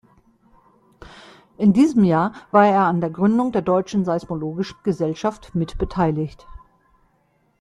In diesem Jahr war er an der Gründung der Deutschen Seismologischen Gesellschaft mit beteiligt.